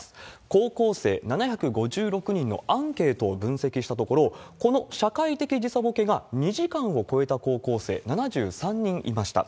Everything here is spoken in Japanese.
高校生７５６人のアンケートを分析したところ、この社会的時差ぼけが２時間を超えた高校生７３人いました。